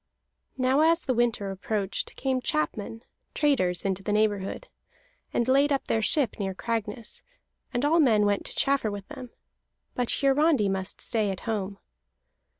Now, as the winter approached, came chapmen, traders, into the neighborhood, and laid up their ship near Cragness; and all men went to chaffer with them. But Hiarandi must stay at home.